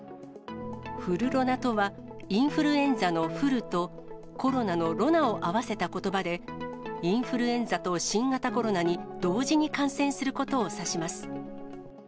フルロナとは、インフルエンザのフルと、コロナのロナを合わせたことばで、インフルエンザと新型コロナに同時に感染することを指します。